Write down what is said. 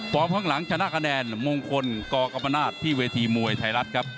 ข้างหลังชนะคะแนนมงคลกกรรมนาศที่เวทีมวยไทยรัฐครับ